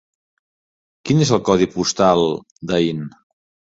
Quin és el codi postal d'Aín?